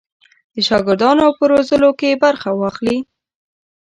د شاګردانو په روزلو کې برخه واخلي.